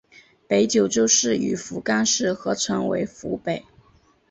北九州市与福冈市合称为福北。